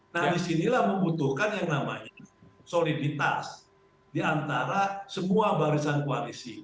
nah disinilah membutuhkan yang namanya soliditas diantara semua barisan koalisi